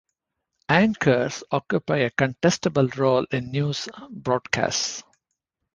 Anchors occupy a contestable role in news broadcasts.